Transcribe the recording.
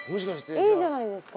いいじゃないですか？